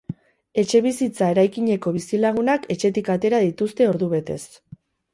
Etxebizitza eraikineko bizilagunak etxetik atera dituzte, ordubetez.